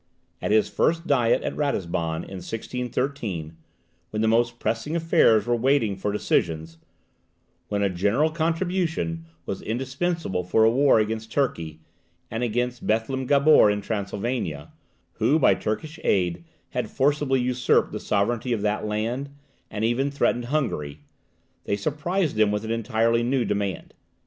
At his first Diet at Ratisbon in 1613, when the most pressing affairs were waiting for decision when a general contribution was indispensable for a war against Turkey, and against Bethlem Gabor in Transylvania, who by Turkish aid had forcibly usurped the sovereignty of that land, and even threatened Hungary they surprised him with an entirely new demand.